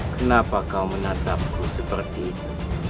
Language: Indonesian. kenapa kau menatapku seperti itu